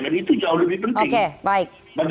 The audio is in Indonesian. dan itu jauh lebih penting